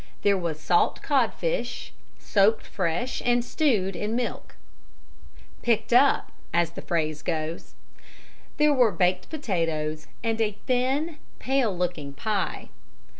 There was salt codfish, soaked fresh, and stewed in milk "picked up," as the phrase goes; there were baked potatoes and a thin, pale looking pie.